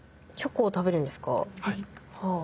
はい。